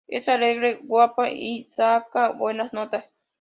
Es alegre, guapa y saca buenas notas.